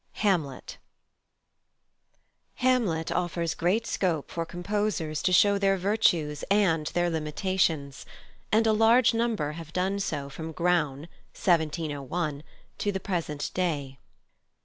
HAMLET Hamlet offers great scope for composers to show their virtues and their limitations, and a large number have done so from Graun, 1701, to the present day.